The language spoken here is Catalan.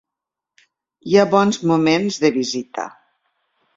Hi ha bons moments de visita.